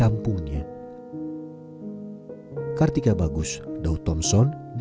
dan meng significati sesuatu yang semangat built up you know